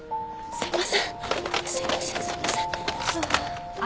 すいません。